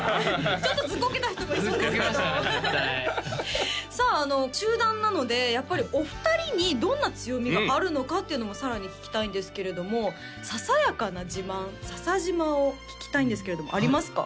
ちょっとずっこけた人もいそうですけどさあ集団なのでやっぱりお二人にどんな強みがあるのかっていうのもさらに聞きたいんですけれどもささやかな自慢「ささじま」を聞きたいんですけれどもありますか？